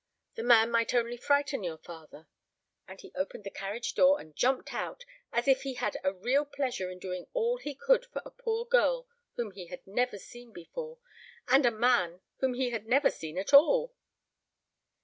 The man might only frighten your father;' and he opened the carriage door and jumped out, as if he had a real pleasure in doing all he could do for a poor girl whom he had never seen before, and a man whom he had never seen at all."